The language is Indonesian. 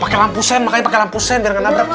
pakai lampu sen makanya pakai lampu sen biar gak nabrak